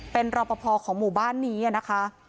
เป็นรอปภของหมู่บ้านนี้นะคะ